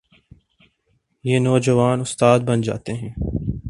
یہ نوجوان استاد بن جاتے ہیں۔